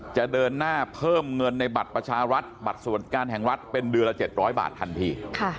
จะเดินหน้าเพิ่มเงินในบัตรประชารัฐบัตรสวัสดิการแห่งรัฐเป็นเดือนละ๗๐๐บาททันที